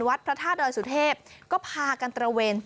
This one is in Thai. พระธาตุดอยสุเทพก็พากันตระเวน